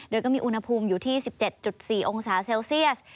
โดยก็มีอุณหภูมิอยู่ที่๑๗๔องศาเซลเซียส